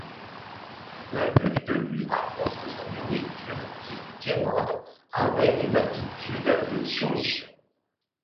L'adulte lui apporte sa nourriture qu'il quémande avec une attitude de soumission.